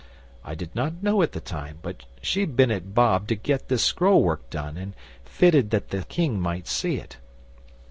I did not know at the time, but she'd been at Bob to get this scroll work done and fitted that the King might see it.